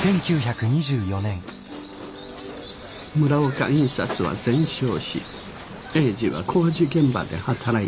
村岡印刷は全焼し英治は工事現場で働いています。